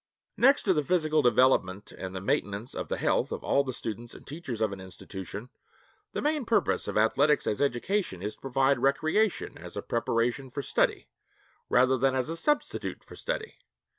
Next to the physical development and the maintenance of the health of all the students and teachers of an institution, the main purpose of athletics as education is to provide recreation as a preparation for study rather than as a substitute for study.